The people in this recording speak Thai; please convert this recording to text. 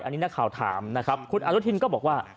อันนี้นักข่าวถามนะครับคุณอนุทินก็บอกว่า